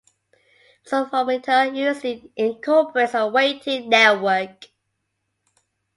A psophometer usually incorporates a weighting network.